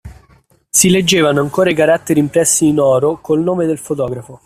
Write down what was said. Si leggevano ancora i caratteri impressi in oro col nome del fotografo.